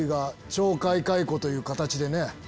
懲戒解雇という形でね。